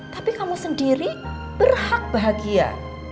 tapi kamu sendiri berharga